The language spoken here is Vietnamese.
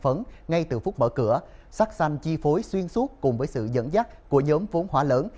phấn ngay từ phút mở cửa sắc xanh chi phối xuyên suốt cùng với sự dẫn dắt của nhóm vốn hóa lớn